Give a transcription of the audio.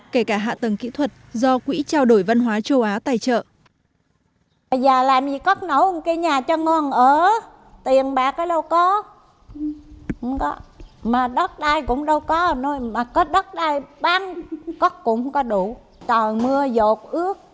kể cả hạ tầng kỹ thuật do quỹ trao đổi văn hóa châu á tài trợ